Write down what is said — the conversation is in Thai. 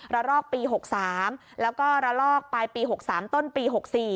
ลอกปี๖๓แล้วก็ระลอกปลายปี๖๓ต้นปี๖๔